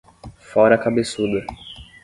Fora cabeçuda